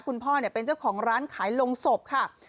คุณพ่อเป็นเจ้าของร้านขายลงศพค่ะ